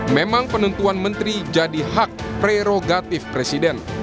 memang penentuan menteri jadi hak prerogatif presiden